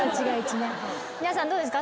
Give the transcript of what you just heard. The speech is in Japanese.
皆さんどうですか？